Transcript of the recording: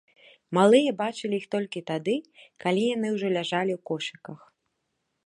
Малыя бачылі іх толькі тады, калі яны ўжо ляжалі ў кошыках.